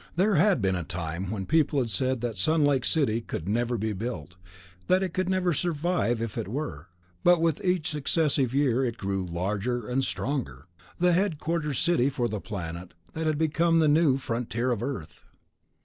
There had been a time when people had said that Sun Lake City could never be built, that it could never survive if it were, but with each successive year it grew larger and stronger, the headquarters city for the planet that had become the new frontier of Earth.